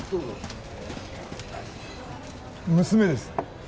娘です